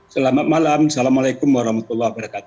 selamat malam assalamualaikum wr wb